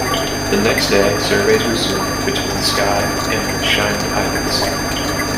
The next day, surveys resumed between Skye and the Shiant Islands.